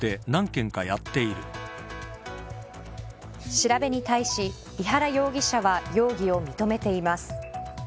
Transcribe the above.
調べに対し井原容疑者は容疑を認めています。